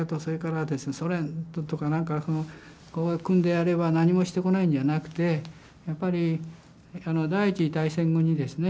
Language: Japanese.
ソ連とか何かがこう組んでやれば何もしてこないんじゃなくてやっぱり第一次大戦後にですね